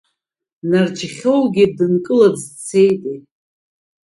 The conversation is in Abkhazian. Нарџьхьоугьы дынкылаӡ дцеитеи.